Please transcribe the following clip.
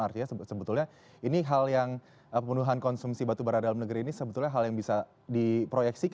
artinya sebetulnya ini hal yang pemenuhan konsumsi batubara dalam negeri ini sebetulnya hal yang bisa diproyeksi